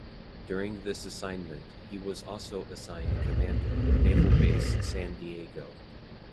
During this assignment he was also assigned Commander, Naval Base San Diego.